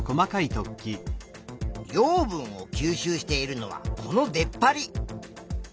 養分を吸収しているのはこの出っ張り。